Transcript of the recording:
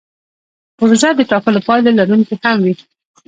پروژه د ټاکلو پایلو لرونکې هم وي.